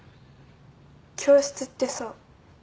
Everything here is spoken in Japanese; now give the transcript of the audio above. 教室ってさ。